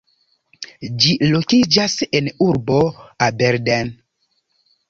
Ĝi lokiĝas en urbo Aberdeen.